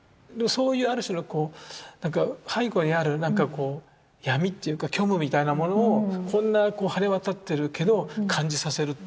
そういうある種のこうなんか背後にあるなんかこう闇というか虚無みたいなものをこんな晴れ渡ってるけど感じさせるっていうような。